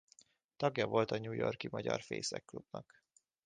Tagja volt a New York-i magyar Fészek Klubnak.